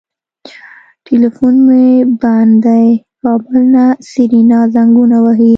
ټليفون مو بند دی کابل نه سېرېنا زنګونه وهي.